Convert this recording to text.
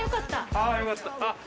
ああよかった。